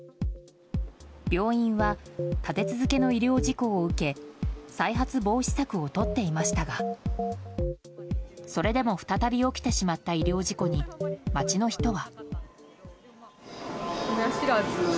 病院は立て続けの医療事故を受け再発防止策をとっていましたがそれでも再び起きてしまった医療事故に街の人は。